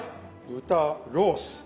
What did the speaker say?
豚ロース。